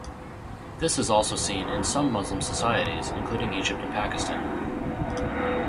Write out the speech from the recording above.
This is also seen in some Muslim societies including Egypt and Pakistan.